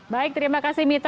baik terima kasih mita